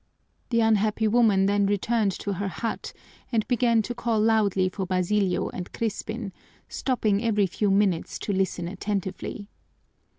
The unhappy woman then returned to her hut and began to call loudly for Basilio and Crispin, stopping every few minutes to listen attentively.